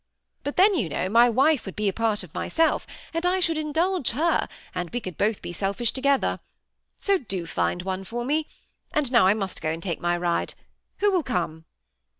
But then, you know, my wife would be a part of myself; and I should indulge her, and we could both be selfish together. So, do find one for me ; and now I must go and take my ride. Who will come